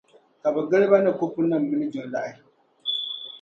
Ka bɛ gili ba ni kopunima mini jiŋlahi.